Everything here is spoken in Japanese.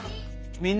みんな！